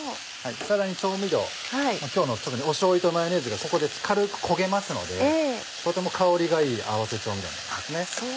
さらに調味料今日の特にしょうゆとマヨネーズがここで軽く焦げますのでとても香りがいい合わせ調味料になりますね。